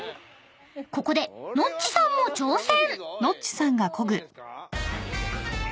［ここでノッチさんも挑戦］